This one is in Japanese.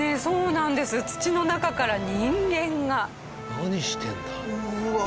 何してんだ？